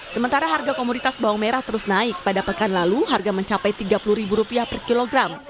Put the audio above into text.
sementara harga komoditas bawang merah terus naik pada pekan lalu harga mencapai rp tiga puluh per kilogram